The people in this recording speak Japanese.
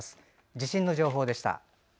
地震の情報でした。